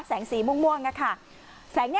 แสงสีม่วงค่ะ